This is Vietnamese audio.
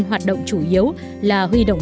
hoạt động chủ yếu là huy động